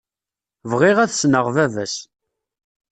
Bɣiɣ ad ssneɣ baba-s.